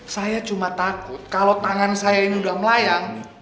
saya cuma takut kalo tangan saya ini udah melayang